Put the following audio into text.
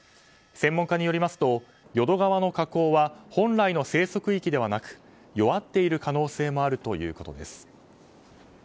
専門家によりますと淀川の河口は本来の生息域ではなく弱っている可能性もあるということです。